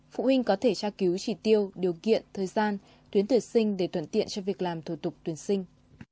phụ huynh có thể tra cứu trí tiêu điều kiện thời gian tuyến tuyển sinh để tuận tiện cho việc làm thủ tục tuyển sinh